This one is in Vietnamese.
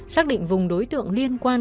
xác định vùng đối tượng liên quan